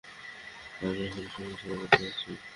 আমরা এখানে সহী সালামতে আছি।